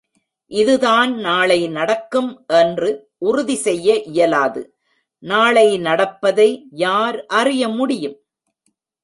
இதுதான் நாளை நடக்கும் என்று உறுதி செய்ய இயலாது நாளை நடப்பதை யார் அறிய முடியும்?